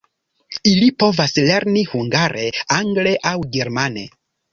Ili povas lerni hungare, angle aŭ germane.